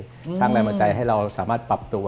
สร้างแรงบันใจให้เราสามารถปรับตัว